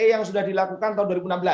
yang sudah dilakukan tahun dua ribu enam belas